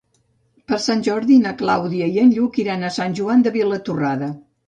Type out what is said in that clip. Per Sant Jordi na Clàudia i en Lluc iran a Sant Joan de Vilatorrada.